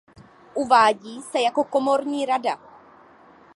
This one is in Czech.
Uvádí se jako komorní rada.